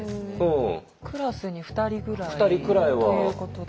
クラスに２人ぐらいということですよね。